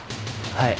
はい。